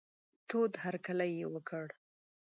تود هرکلی یې وکړ.